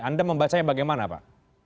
anda membacanya bagaimana pak